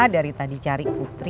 dari tadi cari putri